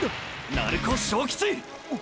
鳴子章吉！！